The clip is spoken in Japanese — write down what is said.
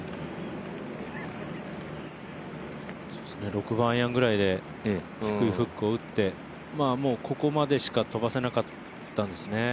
６番アイアンぐらいで低いフックを打って、ここまでしか飛ばせなかったんですね。